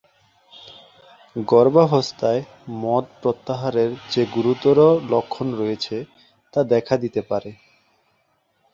গর্ভাবস্থায় মদ প্রত্যাহারের যে গুরুতর লক্ষণ রয়েছে তা দেখা দিতে পারে।